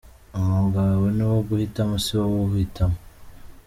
Umwuga wawe ni wo uguhitamo si wowe uwuhitamo.